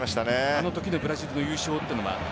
あのときのブラジルの優勝というのは。